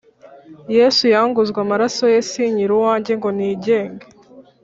Yesu yanguzwe amaraso ye sinkiri uwanjye ngo nigenge